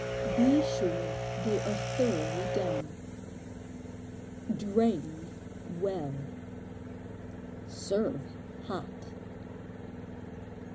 Be sure they are thoroughly done. Drain well. Serve hot!